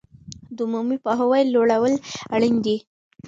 د عمومي پوهاوي لوړول اړین دي.